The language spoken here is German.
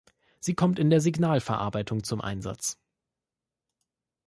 Sie kommt in der Signalverarbeitung zum Einsatz.